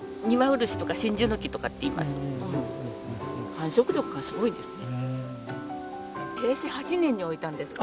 繁殖力がすごいんですね。